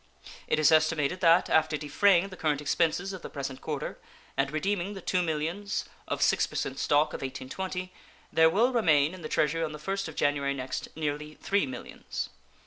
It is estimated that, after defraying the current expenses of the present quarter and redeeming the $2 millions of 6% stock of 1820, there will remain in the Treasury on the first of January next nearly $3 millions.